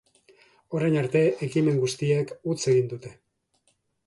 Orain arte, ekimen guztiek huts egin dute.